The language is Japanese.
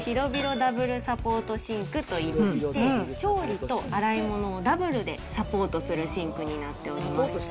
ひろびろダブルサポートシンクといいまして、調理と洗い物をダブルでサポートするシンクになっております。